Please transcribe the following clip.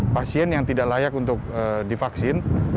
pasien yang tidak layak untuk divaksin